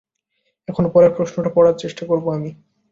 এখন, পরের প্রশ্নটা পড়ার চেষ্টা করব আমি।